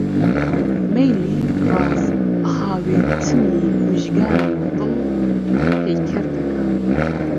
مەیلی ڕاست هاوێتنی موژگانی دڵ پەیکەر دەکا؟!